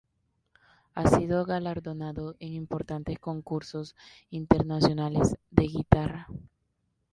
Ha sido galardonado en importantes concursos internacionales de guitarra.